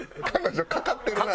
彼女かかってるな。